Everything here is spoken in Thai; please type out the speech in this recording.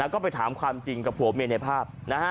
ก็ไปถามความจริงกับผัวเมียในภาพ